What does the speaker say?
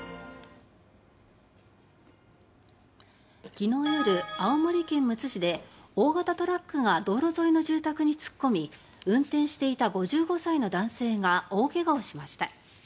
昨日夜青森県むつ市で大型トラックが道路沿いの住宅に突っ込み運転していた５５歳の男性が大怪我をしました。